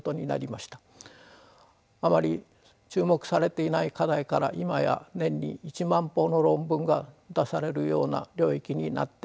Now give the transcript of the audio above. あまり注目されていない課題から今や年に１万報の論文が出されるような領域になってきました。